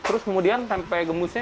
kemudian tempe gembusnya